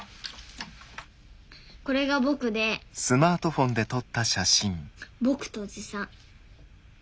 これが僕で僕とおじさん。